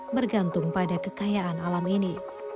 bergantung pada kekayaan alam ini